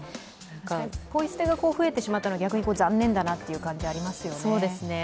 ポイ捨てが増えてしまったのは逆に残念だなという感じがありますよね。